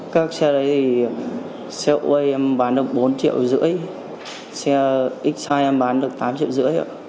các xe đấy thì xe ô quay em bán được bốn triệu rưỡi xe xài em bán được tám triệu rưỡi ạ